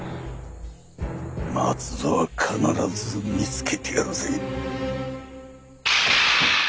松蔵は必ず見つけてやるぜ。